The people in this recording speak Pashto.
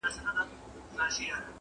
• ویل سته خو عمل نسته -